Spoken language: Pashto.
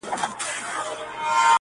o هېره مي يې.